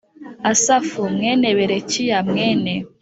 Asafu mwene berekiya mwene